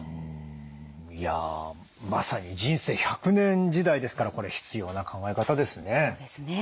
いやまさに人生１００年時代ですからこれ必要な考え方ですね。